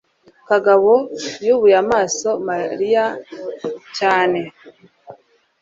kagabo yubuye amaso mariya cyane